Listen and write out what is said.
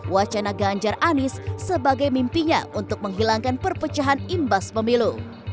wacana ganjar anis sebagai mimpinya untuk menghilangkan perpecahan imbas pemilu